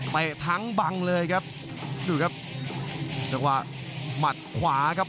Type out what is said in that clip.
ทั้งบังเลยครับดูครับจังหวะหมัดขวาครับ